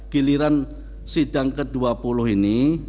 giliran sidang ke dua puluh ini